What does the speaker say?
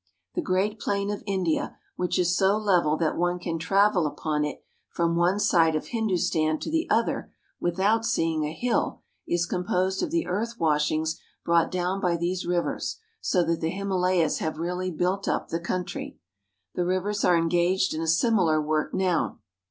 The great plain of India, which is so level that one can travel upon it from one side of Hindustan to the other with out seeing a hill, is composed of the earth washings brought down by these rivers, so that the Himalayas have really built up the country. The rivers are engaged in a similar work now.